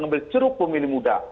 kalau milih muda